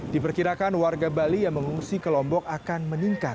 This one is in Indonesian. diperkirakan warga bali yang mengungsi ke lombok akan meningkat